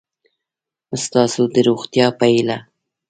ستاسو د روغتیا په هیله